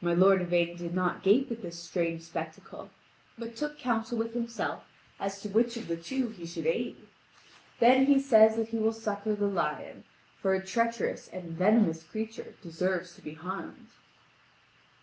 My lord Yvain did not gape at this strange spectacle, but took counsel with himself as to which of the two he should aid. Then he says that he will succour the lion, for a treacherous and venomous creature deserves to be harmed.